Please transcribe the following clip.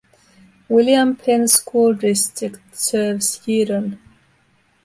William Penn School District serves Yeadon.